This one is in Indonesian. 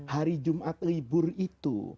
hari jumat libur itu